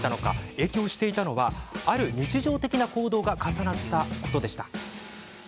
影響していたのは、ある日常的な行動が重なったことでした。